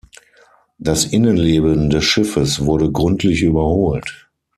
Das Innenleben des Schiffes wurde gründlich überholt.